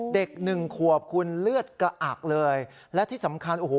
เด็กหนึ่งขวบคุณเลือดกระอักเลยและที่สำคัญโอ้โห